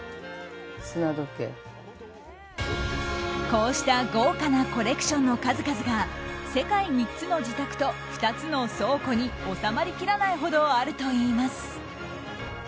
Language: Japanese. こうした豪華なコレクションの数々が世界３つの自宅と２つの倉庫に収まりきらないほどあるといいます。